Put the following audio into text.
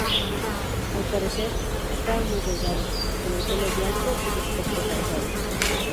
Al parecer, estaba muy delgado, con el pelo blanco y de aspecto cansado.